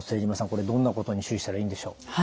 これどんなことに注意したらいいんでしょう？